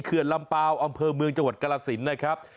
ลำเปล่าอำเภอเมืองจังหวัดกรสินนะครับ